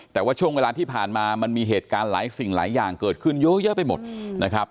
แต่ว่าช่วงเวลาที่ผ่านมามันมีเหตุการณ์หลายสิ่งหลายอย่างเกิดขึ้นเยอะแยะไปหมดนะครับ